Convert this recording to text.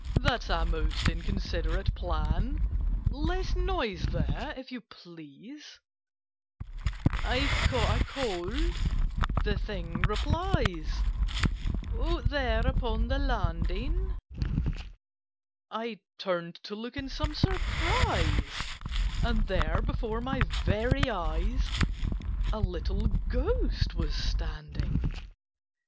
That's a most inconsiderate plan. Less noise there, if you please!" [Picture: The Thing standing by chair] "I've caught a cold," the Thing replies, "Out there upon the landing." I turned to look in some surprise, And there, before my very eyes, A little Ghost was standing!